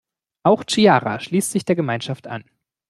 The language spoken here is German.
Auch Chiara schließt sich der Gemeinschaft an.